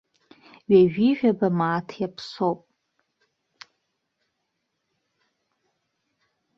Ҩажәижәаба мааҭ иаԥсоуп.